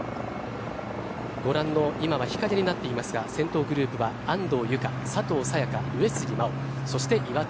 ご覧の今は日陰になっていますが先頭グループは安藤友香佐藤早也伽、上杉真穂そして岩出